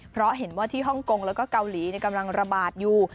เพราะเห็นว่าที่ฮ่องกงแล้วก็เกาหลีกำลังระบาดอยู่